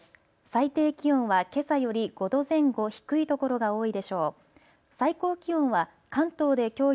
最低気温はけさより５度前後低いところが多いでしょう。